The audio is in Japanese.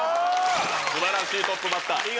素晴らしいトップバッター。